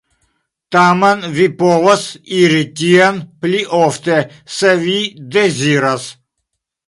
Tamen vi povos iri tien pli ofte, se vi deziras.